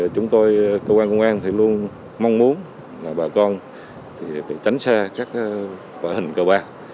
chúng tôi cơ quan công an luôn mong muốn bà con tránh xa các hình cơ bạc